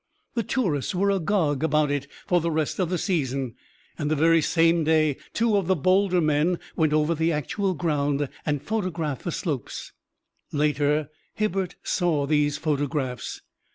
The tourists were agog about it for the rest of the season, and the very same day two of the bolder men went over the actual ground and photographed the slopes. Later Hibbert saw these photographs.